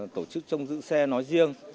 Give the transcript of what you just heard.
tổ chức trông giữ xe nói riêng